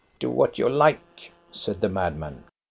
Do what you like," said the madman.